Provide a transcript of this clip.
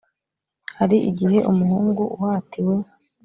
hari igihe umuhungu uhatiwe